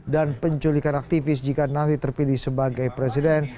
dan penculikan aktivis jika nanti terpilih sebagai presiden